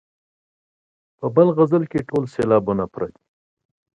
په بل غزل کې ټول سېلابونه پوره دي.